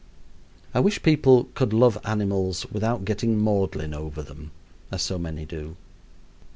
I wish people could love animals without getting maudlin over them, as so many do.